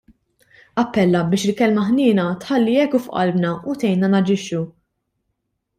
Appella biex il-kelma ' ħniena' tħalli eku f'qalbna u tgħinna naġixxu.